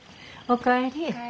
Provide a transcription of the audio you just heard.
お帰り。